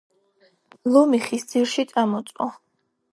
ლომი ხის ძირში წამოწვა